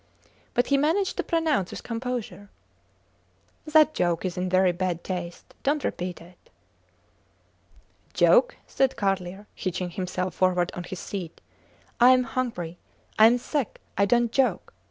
But he managed to pronounce with composure That joke is in very bad taste. Dont repeat it. Joke! said Carlier, hitching himself forward on his seat. I am hungry I am sick I dont joke!